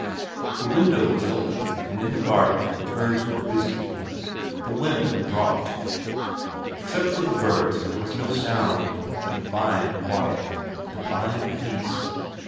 The window was open, and in the garden the birds were busy. The wind had dropped. Except for the birds there was no sound. Divine quiet. Divine peace.